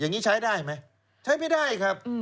อย่างนี้ใช้ได้ไหมใช้ไม่ได้ครับ